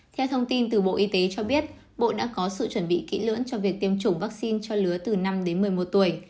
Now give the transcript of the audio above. theo thông tin từ bộ y tế cho biết bộ đã có sự chuẩn bị kỹ lưỡng cho việc tiêm chủng vaccine cho lứa từ năm đến một mươi một tuổi